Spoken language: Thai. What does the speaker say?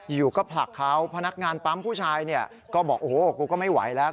อยู่ก็ผลักเขาพนักงานปั๊มผู้ชายก็บอกกูก็ไม่ไหวแล้ว